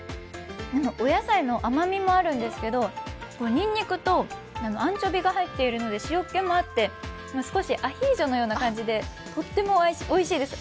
お野菜の甘みもあるんですけどにんにくとアンチョビが入っているので塩っ気もあって、少しアヒージョのような感じでとってもおいしいです。